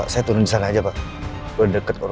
kan masih ada stok